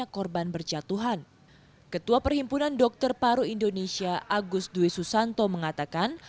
ketua perhimpunan dokter paru indonesia agus dwi susanto mengatakan